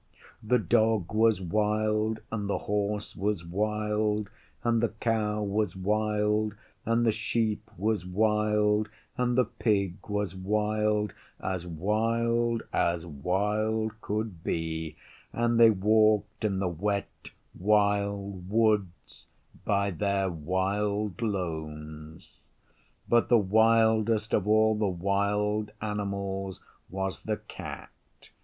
The Dog was wild, and the Horse was wild, and the Cow was wild, and the Sheep was wild, and the Pig was wild as wild as wild could be and they walked in the Wet Wild Woods by their wild lones. But the wildest of all the wild animals was the Cat.